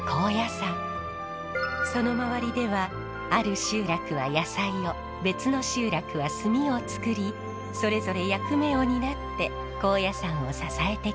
その周りではある集落は野菜を別の集落は炭を作りそれぞれ役目を担って高野山を支えてきました。